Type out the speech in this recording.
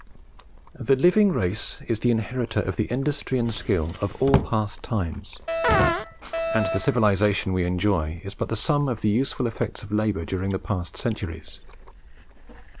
The living race is the inheritor of the industry and skill of all past times; and the civilization we enjoy is but the sum of the useful effects of labour during the past centuries.